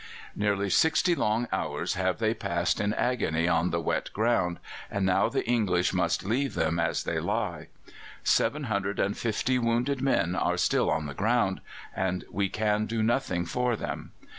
Nearly sixty long hours have they passed in agony on the wet ground, and now the English must leave them as they lie. Seven hundred and fifty wounded men are still on the ground, and we can do nothing for them.